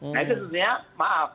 nah itu sebenarnya maaf